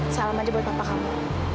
salam aja buat papa kamu